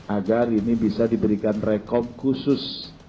agar ini bisa diberikan rekom khusus